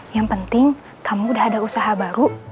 yang penting kamu udah ada usaha baru